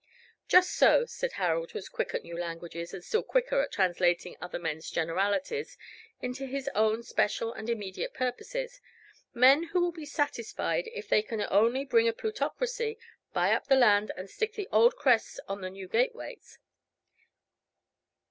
"Just so," said Harold, who was quick at new languages, and still quicker at translating other men's generalities into his own special and immediate purposes, "men who will be satisfied if they can only bring in a plutocracy, buy up the land, and stick the old crests on their new gateways.